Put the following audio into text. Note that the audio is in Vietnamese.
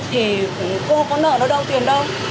thì cô không có nợ nó đâu tiền đâu